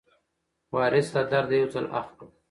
وارث له درده یو ځل اخ کړ.